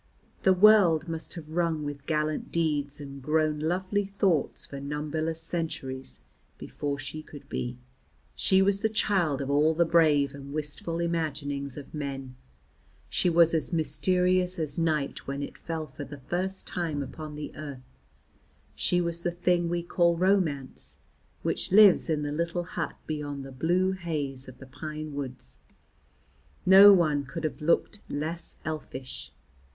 The world must have rung with gallant deeds and grown lovely thoughts for numberless centuries before she could be; she was the child of all the brave and wistful imaginings of men. She was as mysterious as night when it fell for the first time upon the earth. She was the thing we call romance, which lives in the little hut beyond the blue haze of the pine woods. No one could have looked less elfish.